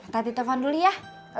tadi telfon dulu ya